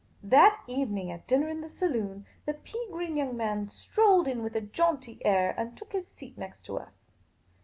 That evening, at dinner in the saloon, the pea green young man strolled in with a jaunty air and took his seat next to us.